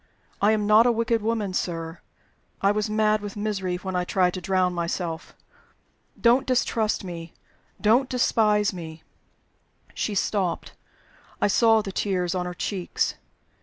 I am not a wicked woman, sir I was mad with misery when I tried to drown myself. Don't distrust me! Don't despise me!" She stopped; I saw the tears on her cheeks.